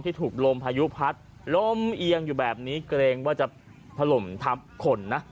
ถูกลมพายุพัดลมเอียงอยู่แบบนี้เกรงว่าจะถล่มทับคนนะ